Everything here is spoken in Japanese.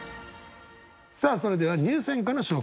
さあそれでは入選歌の紹介です。